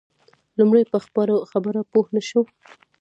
لومړی په خبره پوی نه شو.